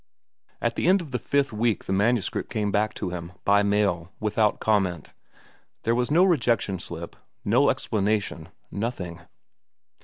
At the end of the fifth week the manuscript came back to him, by mail, without comment. There was no rejection slip, no explanation, nothing.